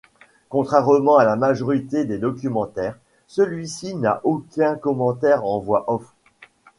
Contrairement à la majorité des documentaires, celui-ci n'a aucun commentaire en voix off.